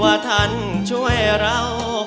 ว่าท่านช่วยเรา